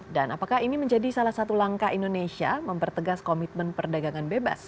apakah ini menjadi salah satu langkah indonesia mempertegas komitmen perdagangan bebas